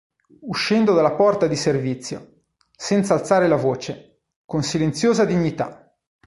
Uscendo dalla porta di servizio, senza alzare la voce, con silenziosa dignità.